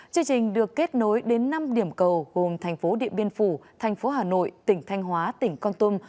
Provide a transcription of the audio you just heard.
chương trình được kết nối đến năm điểm cầu gồm thành phố điện biên phủ thành phố hà nội tỉnh thanh hóa tỉnh con tum